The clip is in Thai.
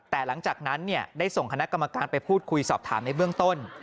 แต่หลังจากนั้นได้ส่งคณะกรรมการไปพูดคุยสอบถามในเบื้องต้น